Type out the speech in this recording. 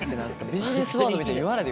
ビジネスワードみたいに言わないで。